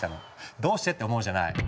どうしてって思うじゃない？